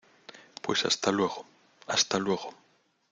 pues hasta luego. hasta luego .